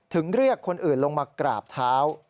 เรียกคนอื่นลงมากราบเท้า